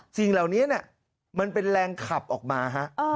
สิ่งเหล่านี้มันเป็นแรงขับออกมาฮะ